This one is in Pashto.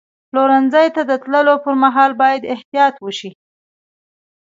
پلورنځي ته د تللو پر مهال باید احتیاط وشي.